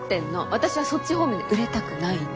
私はそっち方面で売れたくないの！